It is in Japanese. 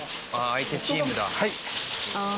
相手チームだ。